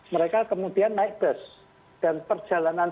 mereka kemudian naik bus dan perjalanan